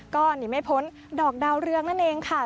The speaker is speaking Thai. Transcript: ก็หนีไม่พ้นดอกดาวเรืองนั่นเองค่ะ